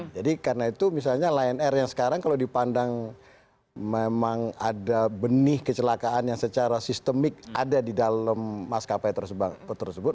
jadi karena itu misalnya line air yang sekarang kalau dipandang memang ada benih kecelakaan yang secara sistemik ada di dalam maskapai tersebut